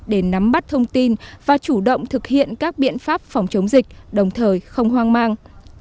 để nắm bắt thông tin và chủ động thực hiện các biện pháp phòng chống dịch đồng thời không hoang mang